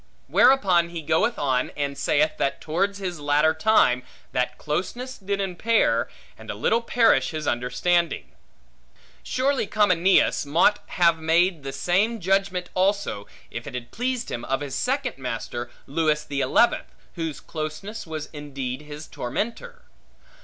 Whereupon he goeth on, and saith that towards his latter time, that closeness did impair, and a little perish his understanding. Surely Comineus mought have made the same judgment also, if it had pleased him, of his second master, Lewis the Eleventh, whose closeness was indeed his tormentor.